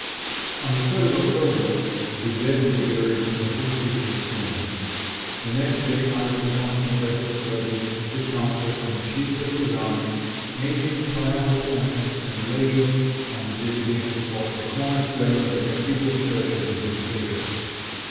On the 3d of October the dead were buried and the whole city was cleansed. The next day, Ivan, accompanied by his clergy, his council and the chiefs of his army, made his triumphal entrance, and laid, on the designated spot, the corner stone of the cathedral church of the Visitation.